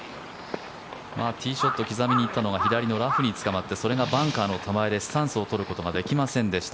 ティーショット刻みに行ったのが左のラフにつかまってそれがバンカーの手前でスタンスを取ることができませんでした。